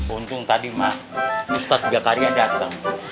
untung tadi ma ustadz gakaria datang